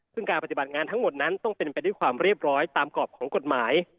ซึ่งการปฏิบัติงานทั้งหมดนั้นต้องเป็นไปด้วยความเรียบร้อยตามกรอบของกฎหมาย